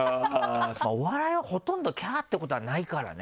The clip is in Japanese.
お笑いはほとんどキャってことはないからね。